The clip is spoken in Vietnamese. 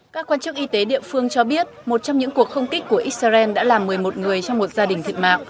các quan chức y tế địa phương cho biết một trong những cuộc không kích của israel đã làm một mươi một người trong một gia đình thịt mạng